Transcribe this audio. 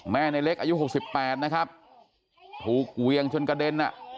แม่ในเล็กอายุหกสิบแปดนะครับถูกเวียงจนกระเด็นน่ะ